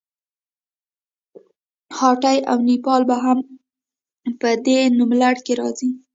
هایټي او نیپال هم په دې نوملړ کې راځي.